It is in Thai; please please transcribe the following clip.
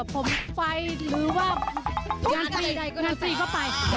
ผมฟัยหรือว่างานใกล้ใกล้งานตรีก็ไป